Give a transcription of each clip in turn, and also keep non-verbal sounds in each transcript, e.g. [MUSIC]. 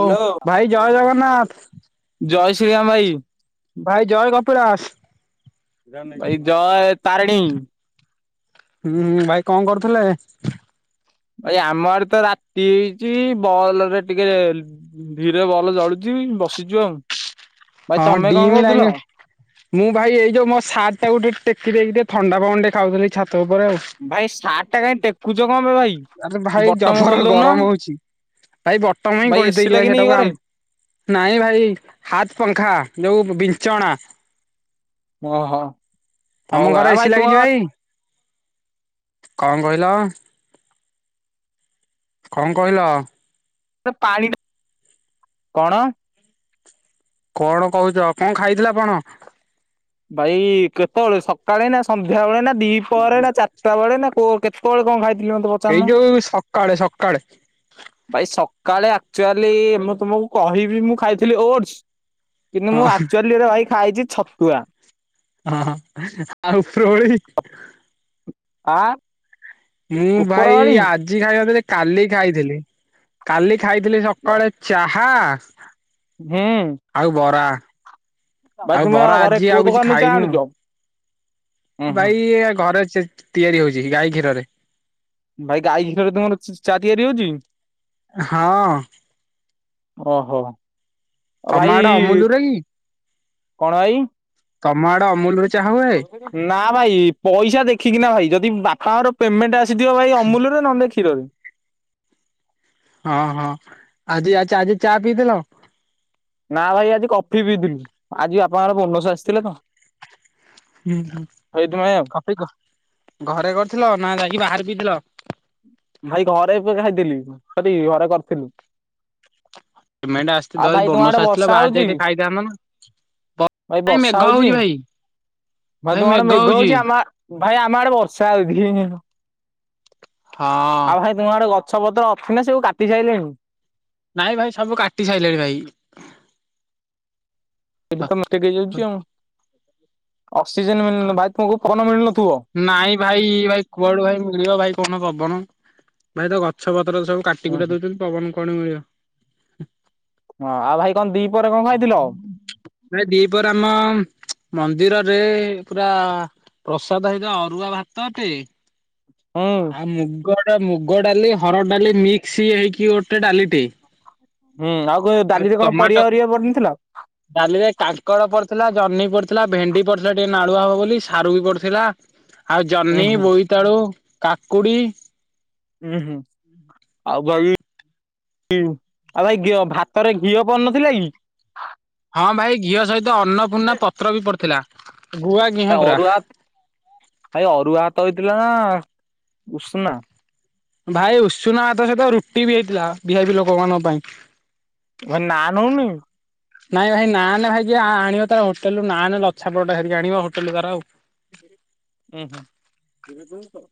ଓ ଭାଇ ଜୟ ଜଗନ୍ନାଥ। ଜୟ ଶ୍ରୀରାମ ଭାଇ ଭାଇ ଜୟ କପିଳାସ। ଏ ଗାଁ ଏ ତାରେଣୀ। ହୁଁ ହୁଁ ଭାଇ କଣ କରୁଥିଲେ? ଭାଇ ଆମ ଆଡେ ତ ରାତି ହେଇଚି ବଲରେ ଟିକେ ଧୀରେ ବଲ୍ ଜଳୁଚି ବସିଚୁ ଆଉ। ଭାଇ ହଁ ତମେ କଣ ଡିମ୍ କରୁଥିଲ? ଲାଇନ ମୁଁ ଭାଇ ଏଇ ଯୋଉ ମୋ ସାଟ୍ ଟାକୁ ଟିକେ ଟେକି ଦେଇକି ଟିକେ ଥଣ୍ଡା ପବନ ଟିକେ ଖାଉଥିଲି ଟିକେ ଛାତ ଉପରେ ଆଉ। ଭାଇ ସାର୍ଟ ଟା କାଇଁ ଟେକୁଛ କଣ ପାଇଁ ଭାଇ ଆରେ ଭାଇ ବଟମ ଜବର ଖୋଲି ଦୋଉନି। ଗରମ ହଉଛି ଭାଇ ବଟମ ହିଁ ଖୋଲି ଦେଇଚି ଭାଇ ଲାଗିନି କି ସେଟାକୁ ଘରେ ଆମ ନାଇଁ ଭାଇ ହାତ୍ ପଙ୍ଖା ଯୋଉ ବିଞ୍ଚନା। ଓହୋ ତମ ହଉ ଆ ଘର ଭାଇ ଏସି ତୁମ ଲାଗିଚି ଭାଇ? କଣ କହିଲ? କଣ କହିଲ? ପାଣିଟା କଣ? କଣ କହୁଛ କଣ ଖାଇଥିଲା ଆପଣ? ଭାଇ କେତେବେଳେ ସକାଳେ ନା ସନ୍ଧ୍ୟା ବେଳେ ନା ଦିପହରେ ନା ଚାରିଟା ବେଳେ? ନା କେତ କେତେବେଳେ କଁ ଖାଇଥିଲି ମତେ ଏଇ ପଚାରୁନ? ଯୋଉ ସକାଳେ ସକାଳେ। ଭାଇ ସକାଳେ ଆକ୍ଚୁଆଲି ମୁଁ ତୁମକୁ କହିବି ମୁଁ ଖାଇଥିଲି ଓଡସ୍। କିନ୍ତୁ ମୁଁ ହଁ ଆକ୍ଚୁଆଲି ରେ ମୁଁ ଖାଇଛି ଭାଇ ଛତୁଆ। ହଁ ହଁ ଆଉ ଓପ୍ରୋଓଳି? ଆ? ମୁଁ ଉପର ଭାଇ ବାଡି ଆଜି ଖାଇନଥିଲି କାଲି ଖାଇଥିଲି କାଲି ଖାଇଥିଲି ହୁଁ ସକାଳେ ଚାହା। [INAUDIBLE] ଆଉ ବରା ଭାଇ ଆଉ ତୁମେ ବରା ଘରେ ଆଜି କୋଉ ଆଉ କିଛି ଦୋକାନରୁ ଚା ଖାଇନୁ। ଆଣୁଛ? ଉଁ ହୁଁ ଭାଇ ଘରେ ଚେତ୍ ତିଆରି ହଉଛି ଗାଈ କ୍ଷୀରରେ। ଭାଇ ଗାଈ କ୍ଷୀରରେ ତମର ଚ ଚା ତିଆରି ହଉଛି? ହଁ। ଓହୋ ଆଉ ତମ ଭାଇ ଆଡେ ଅମୁଲୁରେ କି? କଣ ଭାଇ? ତମା ଆଡ ଅମୁଲ ରେ ନା ଭାଇ ପଇସା ଦେଖିକିନା ଭାଇ ଯଦି ବାପାଙ୍କର। ପେମେଣ୍ଟ ଆସିଥିବ ଭାଇ ଅମୁଲରେ ନହେଲେ କ୍ଷୀରରେ। ହଁ ହଁ ଆଜି ଆ ଆଜି ଚା ପିଇଥିଲ? ନା ଭାଇ ଆଜି କଫି ପିଇଥିଲୁ ଆଜି ବାପା ଙ୍କର ବୋନସ ଆସିଥିଲା ତ। ହୁଁ ହୁଁ ସେଇଥିପାଇଁ ଆଉ କଫି ଘ ଘରେ କରିଥିଲ ନା ଯାଇକି ବାହାରି ପିଇଥିଲ। ଭାଇ ଘରେ ଏବେ ଖାଇଥିଲି ସରି ଘରେ କରିଥିଲୁ। ପିମେଣ୍ଟ ଆସିଛି ଆଉ ଯଦି ଭାଇ ତୁମ ଆଡେ ବୋନସ୍ ଆସିଥିଲା ବର୍ଷା ବାହାର ହଉଛି ଯାଇ ଟିକେ ଖାଇଥାଆନ୍ତ ନା। ଭାଇ ବର୍ଷା ହଉଛି ଭାଇ ତମ ଆଡେ ମେଘ ହଉଛି ଆମ ଆ ଭାଇ ଆମ ଆଡେ ବର୍ଷା ହଉଛି ହିଁ ହିଁ ହିଁ। ହଁ। ଭାଇ ତୁମ ଆଡେ ଗଛ ପତ୍ର ଅଛି ନା ସବୁ କାଟି ସାଇଲେଣି। ନାଇଁ ଭାଇ ସବୁ କାଟି ସାଇଲେଣି ଭାଇ। [UNINTELLIGIBLE] ଅକ୍ସିଜେନ ମିଳୁନଥିବ ଭାଇ ତମକୁ ପବନ ମିଳୁନଥିବ। ନାଇଁ ଭାଇ ଭାଇ କୁଆଡୁ ଭାଇ ମିଳିବ ଭାଇ କହୁନ ପବନ ଭାଇ ତ ଗଛ ପତ୍ର ସବୁ। ଉଁ କାଟିକୁଟା ହୁଁ ଦଉଛନ୍ତି ପବନ କୁଆଡୁ ମିଳିବ। ହଁ ଆଉ ଭାଇ କଁ ଦି ପହରେ କଁ ଖାଇଥିଲ? ଭାଇ ଦି ପହରେ ଆମ ମନ୍ଦିରରେ ପୁରା। ଭାତ ତ ହେଇଥିଲା ଅରୁଆ ଭାତ ଟେ। ହୁଁ। ଆଉ ମୁଗ ଟା ମୁଗ ଡାଲି ହରଡ ଡାଲି ମିକ୍ସ ହେଇକି ଗୋଟେ ଡାଲିଟେ। ହୁଁ ଆଉ କଣଡାଲିିରେ କଣ ପରିବା ପରିବା ପଢିନଥିଲା? ଡାଲିରେ କାଙ୍କଡ଼ ପଡିଥିଲା ଜହ୍ନି ପଡିଥିଲା ଭେଣ୍ଡି ପଡିଥିଲା ଟିକେ ନାଳୁଆ ହବ ବୋଲି ସାରୁ ବି ପଡିଥିଲା। ଆଉ ଉଁ ଜହ୍ନି ହୁଁ ବୋଇତାଳୁ କାକୁଡି। ଉଁ ହୁଁ ଆଉ ଦହି ୟୁ ଆଉ ଭାଇ ଘିଅ ଭାତରେ ଘିଅ ପଡି ନଥିଲା କି? ହଁ ଭାଇ ଘିଅ ସହିତ ଅନ୍ନପୂର୍ଣ୍ଣା ପତ୍ର ବି ପଡିଥିଲା ଗୁଆ ଘି ତା ଅରୁଆତ୍ ଭାଇ ଅରୁଆ ହାତ ହେଇଥିଲା ନା ଉଷନା? ଭାଇ ଉଷୁନା ଭାତ ସହିତ ରୁଟି ବି ହେଇଥିଲା ଭି ଆଇ ପି ଲୋକମାନଙ୍କ ପାଇଁ। ତୁମର ଧାନ ହଉନୁ। ନାଇଁ ଭାଇ ନାନେ ଭାଇ କିଏ ଆଣିବ ତାର ହୋଟେଲରୁୁ ନାନେ ଲଛାପରାଟ ହେରିକ ଆଣିବ ହୋଟେଲରୁୁ ତାର ଆଉ। ଉୁଁ ହୁଁ।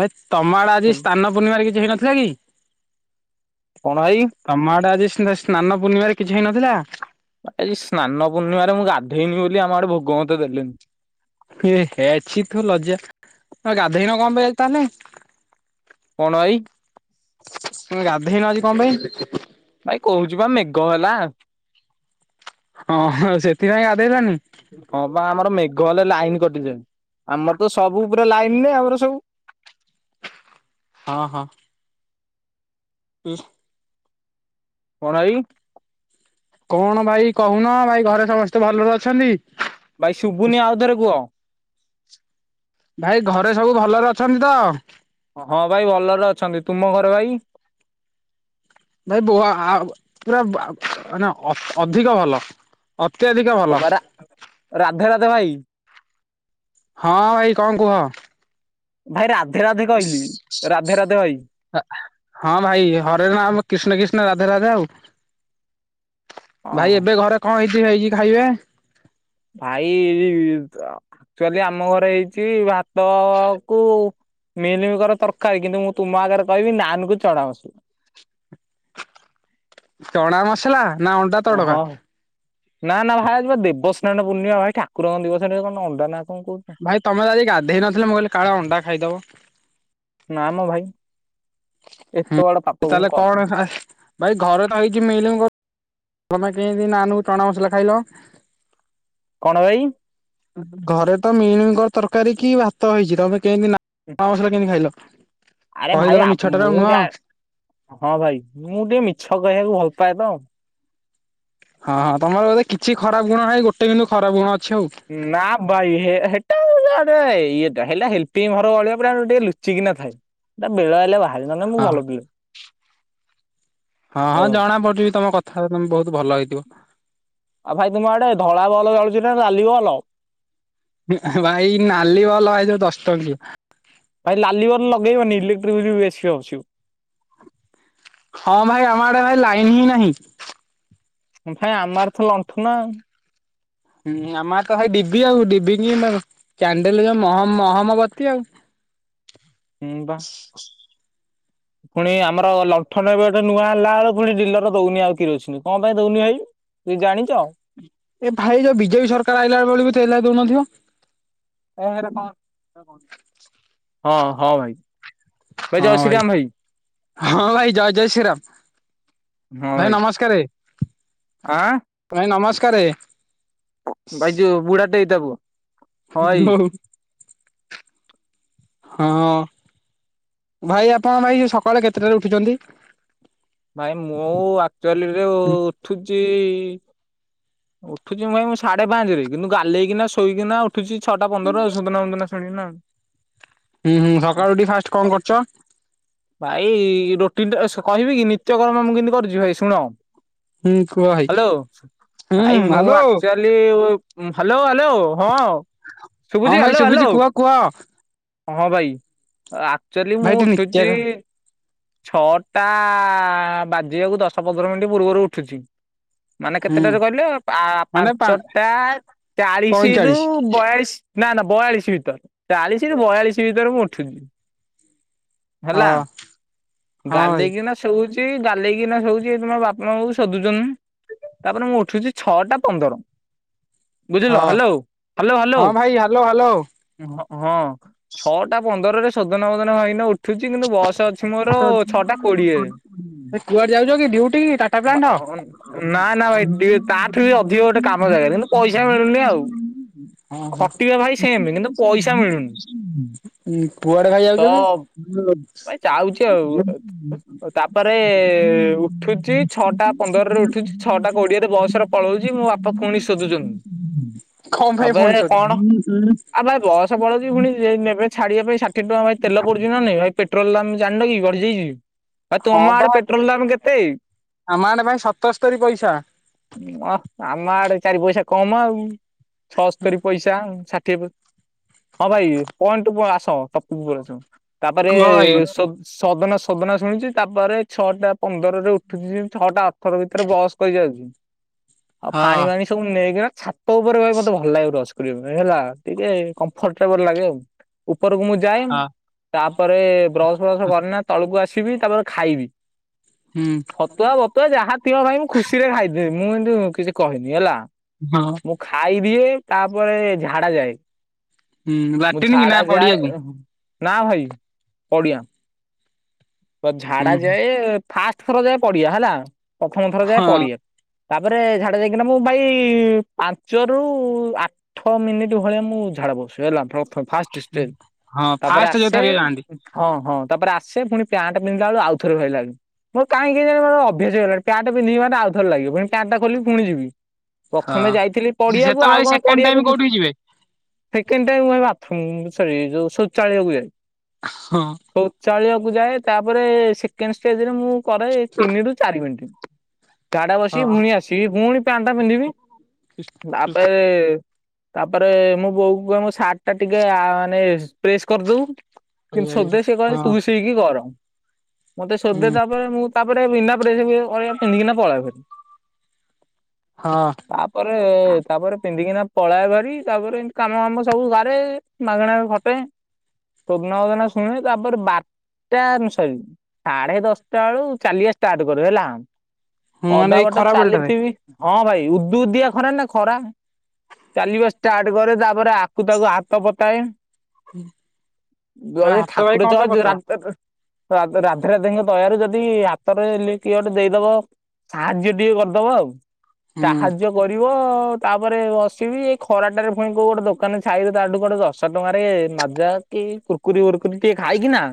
ଭାଇ ତମ ଆଡେ ଆଜି ସ୍ଥାନ ପୂର୍ଣ୍ଣିମାରେ କିଛି ହେଇନଥିଲା କି? କଣ ଭାଇ? ତମ ଆଡେ ଆଜି ସ୍ନ ସ୍ନାନ ପୂର୍ଣ୍ଣିମାରେ କିଛି ହେଇନଥିଲା? ଆଜି ସ୍ନାନ ପୂର୍ଣ୍ଣିମାରେ ମୁଁ ଗାଧେଇନି ବୋଲି ଆମ ଆଡେ ଭୋଗ ମତ ଦେଲେନି। ଇଏ ହେ ଛି ତୁ ଲଯ୍ୟା ତମେ ଗାଧୋଇନ କଁ ପାଇଁ ଆଜି ତାହେଲେ। କଣ ଭାଇ। ତମେ ଗାଧେଇନ ଆଜି କଁ ପାଇଁ। ଭାଇ କହୁଛି ବା ମେଘ ହେଲା। ହଁ ଓ ସେଥି ପାଇଁ ଗାଧେଇଲନି। ହଁ ବା ଆମର ମେଘ ହେଲେ ଲାଇନ କଟିଯାଏ ଆମର ତ ସବୁ ଉପରେ ଲାଇନରେ ଆମର ସବୁ। ହଁ ହଁ। ହୁଁ। ଫଣାଇ କଣ ଭାଇ କହୁନ ଭାଇ ଘରେ ସମସ୍ତେ ଭଲରେ ଅଛନ୍ତି। ଭାଇ ଶୁଭୁନି ଆଉଥରେ କୁହ। ଭାଇ ଘରେ ସବୁ ଭଲରେ ଅଛନ୍ତି ତ। ହଁ ଭାଇ ଭଲରେ ଅଛନ୍ତି। ତୁମ ଘରେ ଭାଇ। ଭାଇ ବ ଆ ପୁରା ଆ ମାନେ ଅଧିକ ଭଲ। ଅତ୍ୟଧିକ - - ଅବାରା ରାଧେ ରାଧେ ଭାଇ। ହଁ ଭାଇ କଂ କୁହ? ଭାଇ ରାଧେ ରାଧେ କହିଲି ରାଧେ ରାଧେ ଭାଇ। ହଁ ଭାଇ ହରେ ନାଁ କ୍ରଷ୍ଣ କ୍ରିଷ୍ଣ ରାଧା ରାଧା ଆଉ। ଭାଇ ଓହୋ ଏବେ ଘରେ କଂ ହେଇଚି ଭାଇ ହେଇଛି ଖାଇବେ। ଭାଇ ଆକ୍ଚୁଚୁଇ ଆମ ଘରେ ହେଇଚି ଭାତ କୁ- - ମିଲମିକର ତରକାରୀ କିନ୍ତୁ ମୁଁ ତୁମ ଆଗରେ କହିବି ନାନ କୁ ଚଣାମସଲା। ଟଣା ମସଲା ନା ଅଣ୍ଡା ତଡକା। ହଁ। ନା ନା ଭାଇ ଆ ଦେବସ୍ନାନ ପୂର୍ଣ୍ଣିମା ଭାଇ ଠାକୁରଙ୍କ ଦିବସରେ କଣ ଅଣ୍ଡା ନା କଣ କହୁଚ। ଭାଇ ତମେ ତ ଆଜି ଗାଧେଇ ନଥି ମୁଁ କହିଲି କାଳେ ଅଣ୍ଡା ଖାଇଦବ। ନା ମ ଭାଇ ଏତେ ବଡ ପାପ ମୁକ - - ହ ଭାଇ ଘରେ ତ ହେଇଛି ମିଲିମିକର ତମେ କେମିତି ଚଣା ମସଲା ଖାଇଲ। କଣ ଭାଇ? ଘରେ ତ ମିଲିମିକରତରକାରୀ କି ଭାତ ହେଇଚି ତମେ କେମିତି ମା ମସଲା କେମିତି ଖାଇଲ? ଆରେ ଭାଇ କହିଦେଲା ମିଛ ଟା ଆଉ ମୁଁ ନୁହଁ। ଯା ହଁ ଭାଇ ମୁଁ ଟିକେ ମିଛ କହିବାକୁ ଭଲ ପାାଏ ତ। ହଁ ହଁ ତମର ବୋଧେ କିଛି ଖରାପ ଗୁଣ ନାହିଁ ଗୋଟେ କିନ୍ତୁ ଖରାପ ଗୁଣ ଅଛି ଆଉ। ନା ଭାଇ ହେଟା ହେଲ୍ପି ଘର ଭଳିଆ ଟିକେ ଲୁଚିକିନା ଥାଏ। ତା ବେଳ ହେଲେ ବାହାରିଲ ନହେଲେ ମୁ ହଁ ଭଲ ପିଲା। ହଁ ହଉ ହଁ ଭାଇ ଜଣା ପଡୁଛିି ବି ତମ କଥା ତମେ ବହୁତ ଭଲ ହେଇଥିବ। ଆଉ ଭାଇ ତୁମ ଆଡେ ଧଳା ବଲ ଚାଳୁଚି ନା ନାଲି ବଲ। ଭାଇ ନାଲି ବଲ ଏ ଯୋଉ ଦଶ ଟଙ୍କିଆ। ଭାଇ ଲାଲି ବଲ ଲଗେଇବନି ଇଲେକ୍ଟ୍ରି ବିଲି ବେସି ହଉଚି। ହଁ ଭାଇ ଆମ ଆଡେ ଭାଇ ଲାଇନ୍ ହିଁ ନାହିଁ। ଭାଇ ଆମର ତ ଲଣ୍ଠନ ଆଁଉ। ହୁଁ ଆମ ତ ଭାଇ ଡିବି ଆଉ। ଡିବିିକି କ୍ୟାଣ୍ଡେଲ ଯୋଉ ମହ ମହମବତୀ ଆଉ। ହୁଁ ବା ପୁଣି ଆମର ଲଣ୍ଠନ ଏବେ ଗୋଟେ ନୂଆ ହେଲା ବେଳେ ପୁଣି ଡିଲର ଦଉନି ଆଉ କିରୋସିନି କଣ ପାଇଁ ଦଉନି ଭାଇ? କି ଜାଣିଚ? ଏ ଭାଇ ଯୋଉ ବିଜେପି ସରକାର ଆଇଲା ବେଳକୁ ତେଲ ଦଉନଥିବ? ହଁ ହଁ ଭାଇ। ହଁ ଭାଇ ହଁ ଭାଇ ଜୟ ଜୟ ଶ୍ରୀରାମ ଭାଇ ନମସ୍କାରେ। ଆଁ ଭାଇ ନମସ୍କାରେ। ଭାଇ ଯୋଉ ବୁଢାଟେ ହେଇଥବୁ। ହଉ। ହଁ ହଁ ଭାଇ ଆପଣ ଭାଇ ସକାଳେ କେତେଟାରେ ଉଠୁଚନ୍ତି? ଭାଇ ମୁଁ ଆକ୍ଚୁଆଲିରେ ଉଠୁଛି। ଉଠୁଛି ମୁଁ ଭାଇ ମୁଁ ସାଢେ ପାଞ୍ଚ ରେ କିନ୍ତୁ ଗାଲେଇକିନା ଶୋଇକିନା ଉଠୁଛି ଛଟା ପନ୍ଦର ସୋଦନା ପୋଦନା ଶୁଣିକି ନା ଆଉ ହୁଁ ହୁଁ ସକାଳୁଠି ଫାଷ୍ଟ କଣ କରୁଛ? ଭାଇ ରୋଟିନ ଟା କହିବି କି ନିତ୍ୟକର୍ମ ମୁଁ କେମିତି କରୁଛି ଭାଇ ଶୁଣ? ହୁଁ କୁହ ଭାଇ? ହ୍ୟାଲୋ ହୁଁ ଭାଇ ମୁଁ ହ୍ୟାଲୋ ଆକ୍ଚୁଆଲି। ହ୍ୟାଲୋ ହ୍ୟାଲୋ ହଁ! ଶୁଭୁଛି? ହଁ ଭାଇ ହ୍ୟାଲୋ ହ୍ୟାଲୋ। କୁହ କୁହ ହଁ ଭାଇ ଆ ଭାଇ ନିିତ୍ୟ କ ଛଅଟା ବାଜିବାକୁ ଦଶ ପନ୍ଦର ମିନିଟ୍ ପୂର୍ବରୁ ଉଠୁଛି। ମାନେ ହୁଁ କେତେଟାରେ କହିଲେ ମାନେ ପା ପାଞ୍ଚଟା ଚାଳିଶରୁୁ ପଇଁଚାଳିଶ ବୟାଲିସ୍ ନା ନା ବୟାଳିଶ ଭିତରେ ଚାଳିଶରୁ ବୟାଳିଶ ଭିତରେ ମୁଁ ଉଠୁବି ହଁ ହେଲା। ହଁ ଭାଇ। ଗାଲେଇକି ନା ଶୋଉଛି ଗାଲେଇକି ନା ଶୋଉଛି ତମ ବାପା ମା ବା ଶୋଧୁଛନ୍ତି। ତାପରେ ମୁଁ ଉଠୁଛି ଛଅଟା ପନ୍ଦର। ବୁଝିଲ? ହଁ ହ୍ୟାଲୋ ହ୍ୟାଲୋ ହ୍ୟାଲୋ। ହଁ ଭାଇ ହ୍ୟାଲୋ ହ୍ୟାଲୋ ହଁ ଛଅଟା ପନ୍ଦରରେ ସଦନା ବଦନ ଭାଇନା ଉଠୁଛି କିନ୍ତୁ ବସ ଅଛି କୁଆଡେ ଯାଉଛ କି ଡ୍ୟୁଟି ଟାଟା ପ୍ଲାଟ୍? [INAUDIBLE] ନା ନା ଭାଇ ଟିକେ ତାଠୁ ବି ଅଧିକ ଗୋଟେ କାମ ଜାଗାରେ କିନ୍ତୁ ପଇସା ମିଳୁନି ଆଉ। ହଁ ହ ଖଟିବା ଭାଇ ସେମ କିନ୍ତୁ ପଇସା ମିଳୁନି। କୁଆଡେ ଭାଇ ତ ଯାଉଛ କି? ଭାଇ ହ ଯାଉଛି ଆଉ ରଖୁଛି। ତାପରେ ହୁଁ ଉଠୁଛି ଛଅଟା [INAUDIBLE] ପନ୍ଦରରେ ଉଠୁଛି ଛଅଟା କୋଡିଏରେ ବସ ରେ ପଳଉଛି ମୋ ବାପା ପୁଣି ଶୋଧୁଛନ୍ତି [INAUDIBLE] ଳଛି ପୁଣି ନେ ଛାଡିବା ପାଇଁ ଷାଠିଏ ଟଙ୍କା ଭାଇ ତେଲ ପଡୁଛି ନା ନାଇ ଭାଇ ପେଟ୍ରୋଲ ଜାଣିନ କି ବଢ଼ି ଯାଇଛିି? ଆଉ ତୁମ ହଁ ବା ଆଡେ ପେଟ୍ରୋଲ ଦାମ କେତେ? ଆମ ଆଡେ ଭାଇ ସତସ୍ତରୀ ପଇସା। ଅହ ଆମ ଆଡେ ଚାରି ପଇସା କମ ଆଉ। ଛଅସ୍ତରୀ ପଇସା ଷାଠିଏ ହଁ ଭାଇ ପଏଣ୍ଟକୁ ଆସ। ବ ଭଲଅଛ ତାପରେ କୁହ ଭାଇ ସବ ସଦନ ସଦନ ଶୁଣିଛି ତାପରେ ଛଅଟା ପନ୍ଦରରେ ଉଠୁଛି ଛଅଟା ଅଠର ଭିତରେ ବସ୍ କହି ଯାଉଛି ଆଉ ପାଣି ହଁ ମାଣି ସବୁ ନେଇକିନା ଛାତ ଉପରେ ଭ ମୋତେ ଭଲ ଲାଗେ ବସ କରିବା ପାଇଁ ହେଲା ଟିକେ କମ୍ଫର୍ଟେବଲ ଲାଗେ ଆଉ ଉପରକୁ ମୁଁ ଯାଏ ହଁ ତାପରେ ବ୍ରସ ଫ୍ରସ୍ କରିନା ତଳକୁ ଆସିବି ତାପରେ ଖାଇବି। ହୁଁ। ଛତୁଆ ବତୁଆ ଯାହା ଥିବ ଭାଇ ମୁଁ ଖୁସିରେ ଖାଇଦେବି ମୁଁ କିଛି କହେନି ହେଲା। ହଁ। ମୁଁ ଖାଇଦିଏ ତାପରେ ଝାଡା ଯାଏ। ହୁଁ ମୁଁ ଲାଟିନ୍ କି ନା ଝାଡା ଯାଏ ପଡିଆକୁ ନା ଭାଇ ପଡିଆ। ହୁଁ ଝାଡା ଯାଏ ଫାଷ୍ଟ ଥର ଯାଏ ପଡିଆ ହେଲା ପ୍ରଥମ ଥର ଯାଏ ହଁ ପଡିଆ। ତାପରେ ଝାଡା ଯାଇକିନା ମୁଁ ଭାଇ ପାଞ୍ଚରୁ ଆଠ ଆଠ ମିନିଟ ଭଳିଆ ମୁଁ ଝାଡା ବସ ହେଲା ପ୍ରଥମେ ଫାଷ୍ଟ ଷ୍ଟେଜ ହଁ ତାପରେ ଫାଷ୍ଟ ଯୋଉ ଆସେ ଥରିକ ଯାଆନ୍ତି। ହଁ ହଁ ତାପରେ ଆସେ ପୁଣି ପ୍ୟାଣ୍ଟ ପିନ୍ଧିଲା ବେଳେ ଆଉଥରେ ରହିଲ ମୋ କାହିଁକିନାଁ [UNINTELLIGIBLE] ପ୍ୟାଣ୍ଟ୍ ପିନ୍ଧିବି ମାନେ ଆଉଥରେ ଲାଗିବଣି। ଟା ଟା ଖୋଲିିବି ପୁଣି ଯିବି ହଁ। ପ୍ରଥମେ ଯାଇଥିଲି ପଡିଆକୁ ଆଉ ସେତେବେଳେ କଣ ସେକେଣ୍ଡ ଟାଇମ ପଡିଆକୁ କୋଉଠିକି ଯିବେ ସେକେଣ୍ଡ ଟାଇମ୍ ମୁଁ ବାଥରୁମ୍ ଯୋଉ ସରି ଶୌଚାଳୟକୁ ଯାଏ। ହଁ। ଶୌଚାଳୟକୁ ଯାଏ ତାପରେ ସେକେଣ୍ଡ ଷ୍ଟେଜ୍ ରେ ମୁଁ କରେ ତିନି ରୁ ଚାରି ମିନିଟ୍। ଝାଡା ବସିକି ହଁ। ଭୁଣି ଆସିବି, ପୁଣି ପ୍ୟାଣ୍ଟ୍ ଟା ପିନ୍ଧିବି ତାପରେ। ତାପରେ ମୁଁ ବୋଉ କୁହେ ମୋ ସାର୍ଟ ଟା ଟିକେ ମାନେ ପ୍ରେସ୍ କରିଦଉ। ଆଜୟ ତୁସି କିି କର ମତେ ସୋଦେ ତା ତାରେ ମୁଁ ତାପରେ ବିନା ପଜେଣ୍ଟ୍ ପିନ୍ଧିକି ପଳେଇ ଫରି ହଁ। ତାପରେ ତାପରେ ପିନ୍ଧିକିନା ପଳାଏ ଭାରି, ତାପରେ ଏମିତି କାମ ଫାମ ସବୁ କରେ ମାଗଣା ବି ଖଟେ ସୋଦନା ଫୋଦନା ଶୁଣେ। ତାପରେ ବାରଟା ସରି ସାଢେ ଦଶଟା ବେଳୁ ଚାଲିବା ଷ୍ଟାର୍ଟ କରେ ହେଲା। ମାନେ ଅଧା ଏଇ ବାଟ ଖରା ବେଳଟାରେ ଚାଲିଥିବି, ହଁ ଭାଇ ଉଦୁ ଉଦିଆ ଖରା ନାଁ ଖରା। ଚାଲିବା ଷ୍ଟାର୍ଟ କରେ ତାପରେ ଆକୁ ତାକୁ ହାତ ପତାଏ। ହୁଁ ଯଦି ହାତ ଠାକୁର ଭାଇ ଚ କଣ ପାଇଁ ପତାଅ? ରାଧେ ରାଧେଙ୍କ ଦୟାରୁ ଯଦି ହାତରେ କିଏ ଗୋଟେ ଦେଇଦବ। ସାହାଯ୍ୟ ଟିକେ କରିଦବ ଆଉ, ହୁଁ ସାହାଯ୍ୟ କରିବ ତାପରେ ବସିବି, ଏ ଖରାଟାରେ ପୁଣି କୋଉଁ ଗୋଟେ ଦୋକାନ ଛାଇଁ ତାଠୁ ଗୋଟେ ଦଶ ଟଙ୍କାରେ ମାଜା କି କୁର୍କୁରି ବୁର୍କୁରି ଟିକେ ଖାଇକି ନାଁ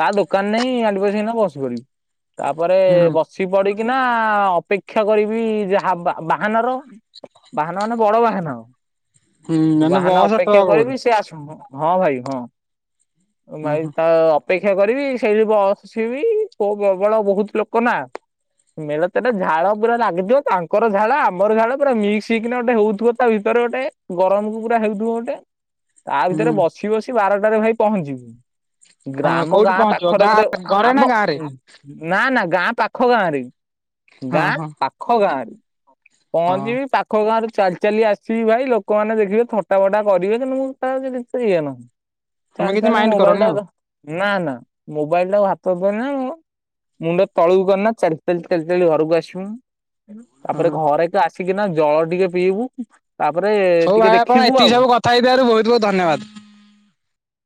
ତା ଦୋକାନ ନେଇ ପିଣ୍ଡି ପସେଇକି ବସିପଡିବି ତାପରେ ହୁଁ। ବ ବସି ପଡିକିନା ଅପେକ୍ଷା କରିବି ଯାହା ବାହାନ ର ବାହାନ ମାନେ ବଡ ବାହାନ, ହୁଁ ମାନେ ବାହାନ ବସ ଅପେକ୍ଷା ଟ୍ରକ୍ ବୋଧେ କରିବି ସେ ଆସୁ ହଁ ଭାଇ ହଁ ହୁଁ ଭାଇ ହୁଁ ତା ଅପେକ୍ଷା କରିବି ସେଇଠି ବସିବି ପ୍ରବଳ ବୋହୁତ୍ ଲୋକ ନାଁ। ମେଲେ ତେରେ ଝାଳ ପୁରା ଲାଗିଥିବ ତାଙ୍କର ଝାଳ ଆମର ଝାଳ ପୁରା ମିକ୍ସ୍ ହେଇକିନା ଗୋଟେ ହଉଥିବ। ତା ଭିତରେ ଗୋଟେ ଗରମ୍ କୁ ଗୋଟେ ହେଉଥିବ ଗୋଟେ। ତା ହୁଁ ଭିତରେ ବସି ବସି ବାରଟାରେ ଭାଇ ପହଞ୍ଚିବୁ। ଗ୍ରାମ ହଁ ଆମ କୋଉଠି ଗାଁ ପହଞ୍ଚିବ ପାଖରେ ଗୋଟେ ଗାଁ ଘରେ ଆମ ନା ଗାଁ ରେ ନାଁ -ନାଁ ଗାଁ ପାଖ ଗାଁରେ ହଁ ଗାଁ ହଁ ପାଖ ଗାଁରେ। ହଁ ପହଞ୍ଚିବି ପାଖ୍ ପାଖ ଗାଁରୁ ଚାଲି ଚାଲି ଆସିବି ଭାଇ ଲୋକମାନେ ଦେଖିବେ ଥଟା ଫଟା କରିବେ କିନ୍ତୁ ମୁଁ ତା ତି ଇଏ ନୁହିଁ। ତମେ ଚାଲି କିଛି ଚାଲି ମାଇଣ୍ଡ କରନି ମୋବାଇଲ ଆଉ ଟା ନା -ନା ମୋବାଇଲ ଟାକୁ ହାତ ଧରି ନା ମୁଣ୍ଡ ତଳକୁ କରିନା ଚାଲି ଚାଲି ଚାଲି ଘରକୁ ଆସିମୁ। ହଁ ତାପରେ ଘରେ କି ଆସିକିନା ଜଳ ଟିକେ ପିଇବୁ, ତାପରେ ହଉ ଭାଇ ଟିକେ ଆପଣ ଦେଖିବୁ ଏତିକି ଆଉ। ସବୁ କଥା ହେଇଥିବାରୁ ବୋହୁତ୍ ବୋହୁତ୍ ଧନ୍ୟବାଦ୍।